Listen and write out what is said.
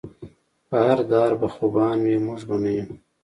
پۀ هر دهر به خوبان وي مونږ به نۀ يو